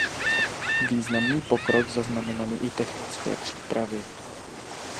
Významný pokrok zaznamenaly i technické přípravy.